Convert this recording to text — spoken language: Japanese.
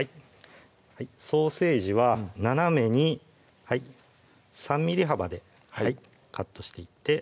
はいソーセージは斜めに３ｍｍ幅でカットしていってください